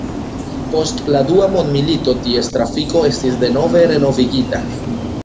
Post la dua mondmilito ties trafiko estis denove renovigita.